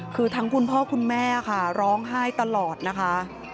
คือทั้งคุณพ่อคุณแม่ค่ะร้องไห้ตลอดนะคะ